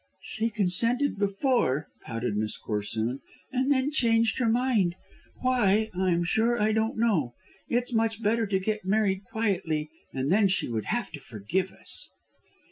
"She consented before," pouted Miss Corsoon, "and then changed her mind. Why, I'm sure I don't know. It's much better to get married quietly and then she would have to forgive us."